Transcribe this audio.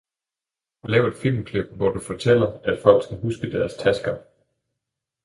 Lav et filmklip hvor du fortæller at folk skal huske deres tasker